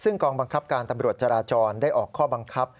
ซึ่งกองบังคับการตำรวจจราจรได้ออกข้อบังคับ